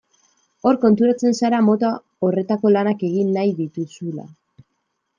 Hor konturatzen zara mota horretako lanak egin nahi dituzula.